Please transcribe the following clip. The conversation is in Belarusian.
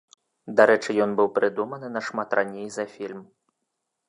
Дарэчы, ён быў прыдуманы нашмат раней за фільм.